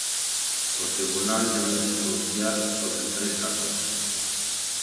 O tribunal debíase pronunciar sobre tres casos.